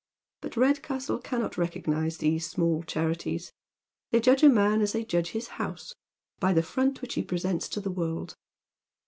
But Redcastle cannot recognise these small chanties. They judge a man as they judge his house, by the fi'ont which he presents to the world.